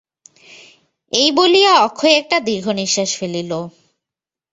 এই বলিয়া অক্ষয় একটা দীর্ঘনিশ্বাস ফেলিল।